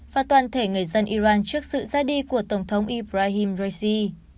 và toàn thể người dân iran trước sự ra đi của tổng thống ibrahim raisi